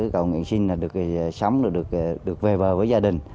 cầu nguyện sinh được sống được về bờ với gia đình